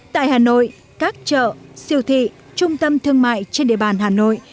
tại hà nội các chợ siêu thị trung tâm thương mại trên địa bàn hà nội